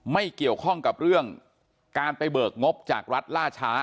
ไม่เกี่ยวข้องกับเรื่องการไปเบิกงบจากรัฐล่าช้า